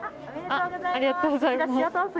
ありがとうございます。